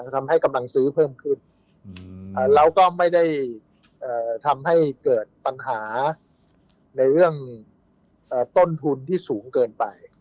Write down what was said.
ทำให้กำลังซื้อเพิ่มขึ้นแล้วก็ไม่ได้ทำให้เกิดปัญหาในเรื่องต้นทุนที่สูงเกินไป